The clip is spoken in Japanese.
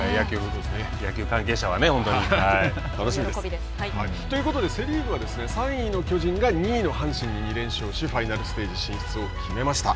野球関係者はねということでセ・リーグは３位の巨人が２位の阪神に２連勝しファイナルステージ進出を決めました。